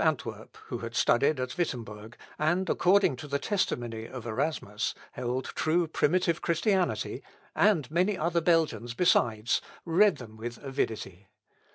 The prior of the Augustins of Antwerp, who had studied at Wittemberg, and according to the testimony of Erasmus, held true primitive Christianity, and many other Belgians besides, read them with avidity.